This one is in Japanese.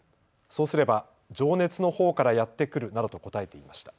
そうすれば情熱のほうからやってくるなどと答えていました。